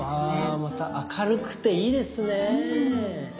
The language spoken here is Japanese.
あまた明るくていいですね。